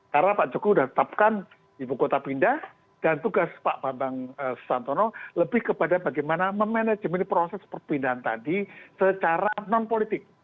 karena pak jokowi udah tetapkan ibu kota pindah dan tugas pak bambang susantono lebih kepada bagaimana memanajemen proses perpindahan tadi secara non politik